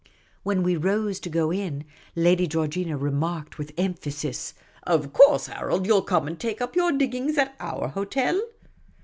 When we rose to go in, Lady Georgina remarked, with emphasis, " Of course, Harold, you '11 come and take up your diggings at our hotel